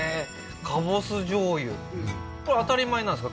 カボス醤油うん当たり前なんですか？